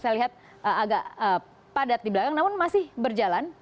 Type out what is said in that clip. saya lihat agak padat di belakang namun masih berjalan